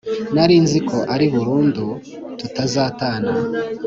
Narinziko ari burundu tutazatana